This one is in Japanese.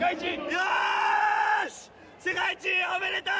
よしい、世界一おめでとう！